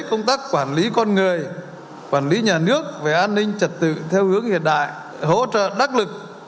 công tác quản lý con người quản lý nhà nước về an ninh trật tự theo hướng hiện đại hỗ trợ đắc lực